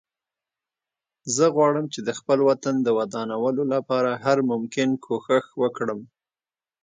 زه غواړم چې د خپل وطن د ودانولو لپاره هر ممکن کوښښ وکړم